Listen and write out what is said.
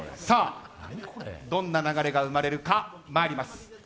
どんな流れが生まれるかまいります。